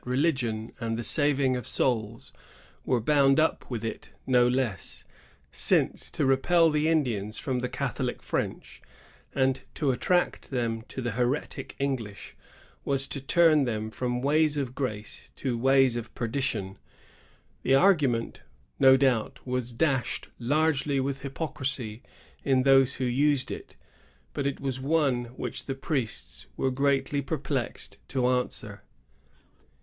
125 religion and the saving of souls were bound up with it no less; since, to repel the Indians from the Catholic French, and attract them to the heretic English, was to turn them frpm ways of grace to ways of perdition.^ The argument, no doubt, was dashed largely with hypocrisy in those who used it; but it was one which the priests were greatly per plexed to answer.